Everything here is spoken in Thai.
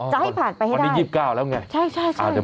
จะให้ผ่านไปให้วันนี้๒๙แล้วไง